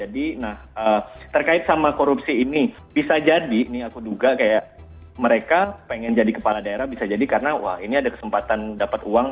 jadi nah terkait sama korupsi ini bisa jadi ini aku duga kayak mereka pengen jadi kepala daerah bisa jadi karena wah ini ada kesempatan dapat uang